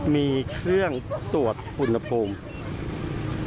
มีเครื่องตรวจอุณหภูมิ